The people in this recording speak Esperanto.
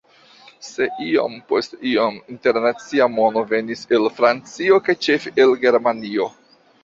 Sed iom post iom internacia mono venis el Francio kaj ĉefe el Germanio.